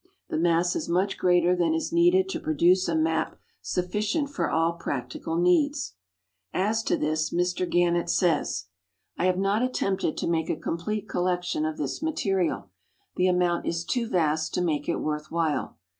The mass is much greater than is needed to pro duce a map sufficient for all practical needs. As to this Mr Gannett says :" I have not attempted to make a complete collection of this material. The amount is too vast to make it worth while.